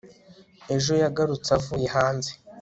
ejo yagarutse avuye hanze